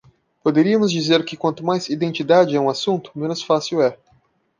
Poderíamos dizer que quanto mais "identidade" é um assunto, menos fácil é.